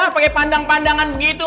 pakai pandang pandangan begitu